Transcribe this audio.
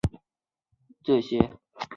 没有这些